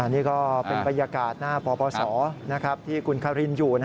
นี่ก็เป็นบรรยากาศหน้าปปศที่คุณคารินอยู่